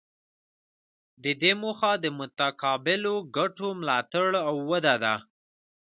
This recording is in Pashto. د دې موخه د متقابلو ګټو ملاتړ او وده ده